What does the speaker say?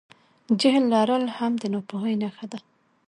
جهل لرل هم د ناپوهۍ نښه ده.